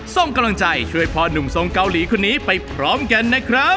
ส่งกำลังใจช่วยพ่อนุ่มทรงเกาหลีคนนี้ไปพร้อมกันนะครับ